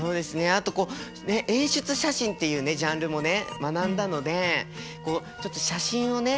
あと演出写真っていうねジャンルもね学んだのでちょっと写真をね